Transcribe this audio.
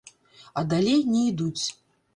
А далей не ідуць.